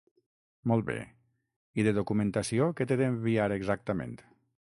Molt bé, i de documentació que t'he d'enviar exactament?